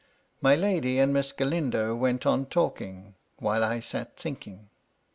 My lady and Miss Galindo went on talking, while I sat thinking.